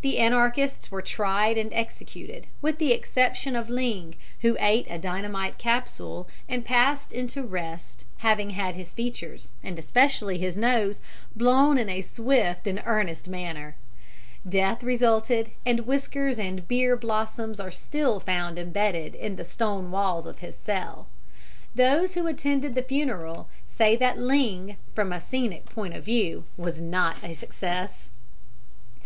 The Anarchists were tried and executed, with the exception of Ling, who ate a dynamite capsule and passed into rest having had his features, and especially his nose, blown in a swift and earnest manner. Death resulted, and whiskers and beer blossoms are still found embedded in the stone walls of his cell. Those who attended the funeral say that Ling from a scenic point of view was not a success.